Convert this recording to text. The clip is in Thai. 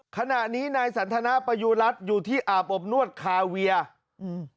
ขณะนี้นายสันทนาประยูรัฐอยู่ที่อาบอบนวดคาเวียอืม